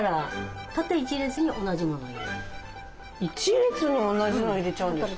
一列に同じの入れちゃうんですか？